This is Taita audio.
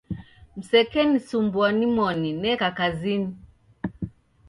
Msekensumbua nimoni neka kazinyi.